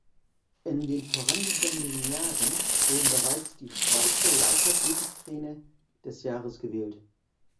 In den vorangegangenen Jahren wurden bereits die "Schweizer Leichtathletik-Trainer des Jahres" gewählt.